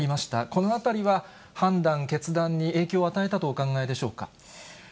このあたりは、判断、決断に影響を与えたとお考えでしょうか。